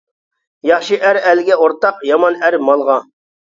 ياخشى ئەر ئەلگە ئورتاق، يامان ئەر مالغا.